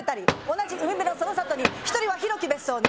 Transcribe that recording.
「同じ海辺のその里に一人は広き別荘に」